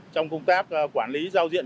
trong công tác quản lý giao diện